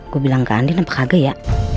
gua bilang ke andien apa kagak ya